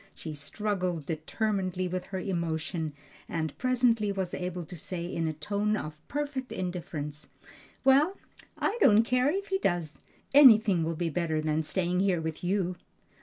She struggled determinedly with her emotion, and presently was able to say in a tone of perfect indifference: "Well, I don't care if he does; anything will be better than staying here with you."